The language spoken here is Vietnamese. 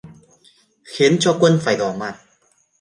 Khiến cho quân phải đỏ mặt